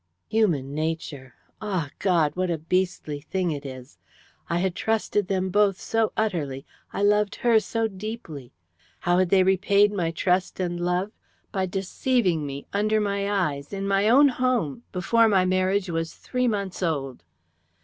Human nature ah, God, what a beastly thing it is. I had trusted them both so utterly I loved her so deeply. How had they repaid my trust and love? By deceiving me, under my eyes, in my own home, before my marriage was three months old.